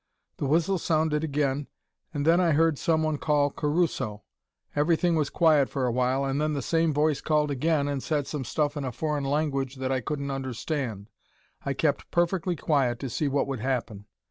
The whistle sounded again and then I heard some one call 'Caruso.' Everything was quiet for a while and then the same voice called again and said some stuff in a foreign language that I couldn't understand. I kept perfectly quiet to see what would happen.